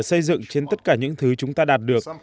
xây dựng trên tất cả những thứ chúng ta đạt được